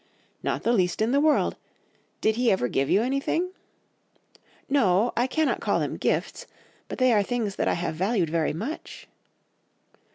"'Not the least in the world. Did he ever give you anything?' "'No, I cannot call them gifts, but they are things that I have valued very much.